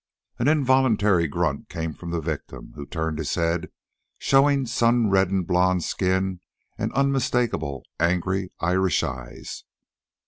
An involuntary grunt came from the victim, who turned his head, showing sun reddened blond skin and unmistakable angry Irish eyes.